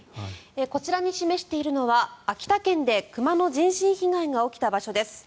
こちらに示しているのは秋田県で熊の人身被害が起きた場所です。